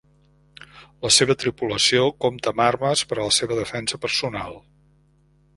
La seva tripulació compta amb armes per a la seva defensa personal.